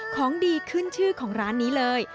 ของดีขึ้นชื่อของร้านนี้เลย